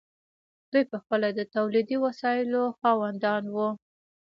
دوی پخپله د تولیدي وسایلو خاوندان وو.